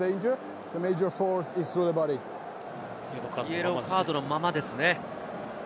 イエローカードのままですね。